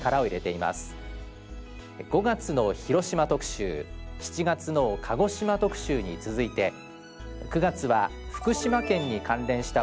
５月の広島特集７月の鹿児島特集に続いて９月は福島県に関連した番組を集中編成。